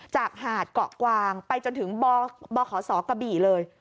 จากหาดเกาะกวางไปจนถึงบ่อขอสอกระบี่เลย